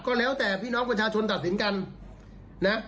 ก็แล้วแต่พี่น้องประชาชนตัดสินกันนะ